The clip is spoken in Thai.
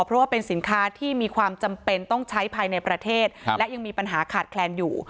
เพราะว่าเป็นสินค้าที่มีความจำเป็นต้องใช้ภายในประเทศและยังมีปัญหาขาดแคลนอยู่